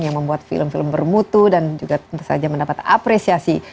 yang membuat film film bermutu dan juga tentu saja mendapat apresiasi